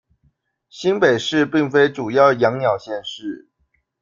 新北市並非主要養鳥縣市